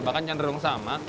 bahkan cenderung sama